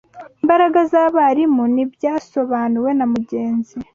imbaraga zabarimu ni byasobanuwe na mugenzi